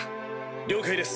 了解です